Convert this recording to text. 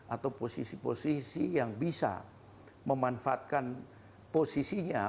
atau posisi posisi yang bisa memanfaatkan posisinya